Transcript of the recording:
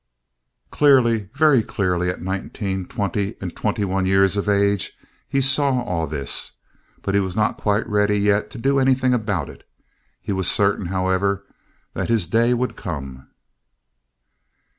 Clearly, very clearly, at nineteen, twenty, and twenty one years of age, he saw all this, but he was not quite ready yet to do anything about it. He was certain, however, that his day would come.